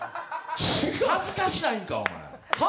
恥ずかしないんか、お前。